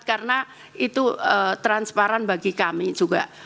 karena itu transparan bagi kami juga